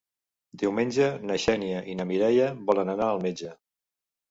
Diumenge na Xènia i na Mireia volen anar al metge.